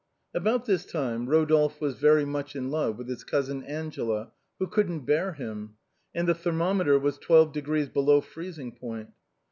About this time Eodolphe was very much in love with his cousin Angela, who couldn't bear him; and the ther mometer was twelve degrees below freezing point.